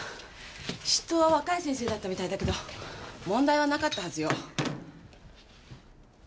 執刀は若い先生だったみたいだけど問題はなかったはずよ。